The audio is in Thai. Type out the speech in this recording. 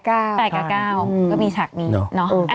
๘กับ๙ก็มีฉากนี้เนอะ